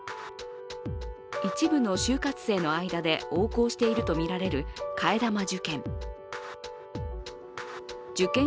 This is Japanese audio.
一部の就活生の間で横行しているとみられる替え玉受検。